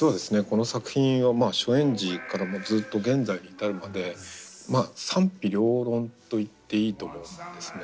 この作品は初演時からずっと現在に至るまでまあ賛否両論と言っていいと思うんですね。